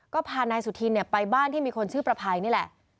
ก็พานายสุธินไปบ้านที่มีคนชื่อประภัยนี่แหละ